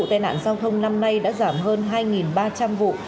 tai nạn giao thông năm nay đã giảm hơn hai ba trăm linh vụ